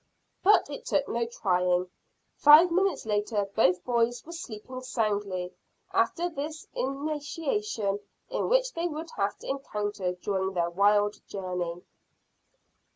But it took no trying. Five minutes later both boys were sleeping soundly after this initiation in what they would have to encounter during their wild journey.